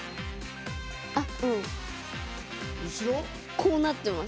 こうなってます。